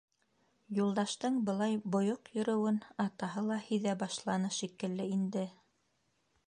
Юлдаштың былай бойоҡ йөрөүен атаһы ла һиҙә башланы шикелле инде.